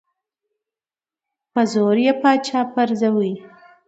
په زور یې پاچا پرزوي.